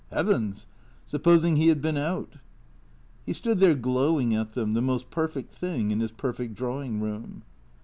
Heavens! Supposing he had been out ! He stood there glowing at them, the most per fect thing in his perfect drawing room.